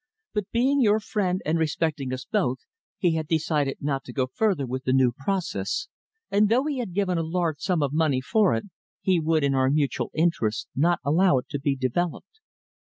But, being your friend, and respecting us both, he had decided not to go further with the new process, and though he had given a large sum of money for it, he would, in our mutual interests, not allow it to be developed.